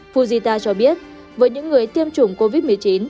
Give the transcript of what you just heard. fujita cho biết với những người tiêm chủng covid một mươi chín